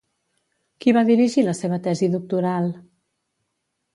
Qui va dirigir la seva tesi doctoral?